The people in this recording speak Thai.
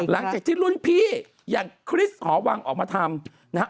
หลังจากที่รุ่นพี่อย่างคริสต์หอวังออกมาทำนะฮะ